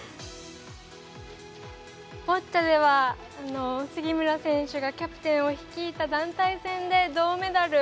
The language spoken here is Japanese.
ボッチャでは杉村選手がキャプテンを率いた団体戦で銅メダル。